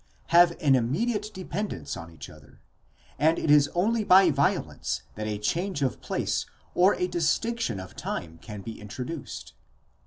have an immediate dependence on each other, and it is only by violence that a change of place or a distinction of time can be introduced.?